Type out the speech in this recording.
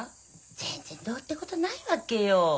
全然どうってことないわけよ。